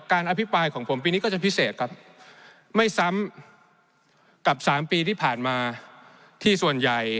อภิปรายของผมปีนี้ก็จะพิเศษครับไม่ซ้ำกับสามปีที่ผ่านมาที่ส่วนใหญ่